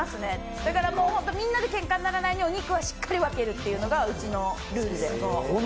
だからみんなでけんかにならないようにお肉はしっかり分けるというのがうちのルールで。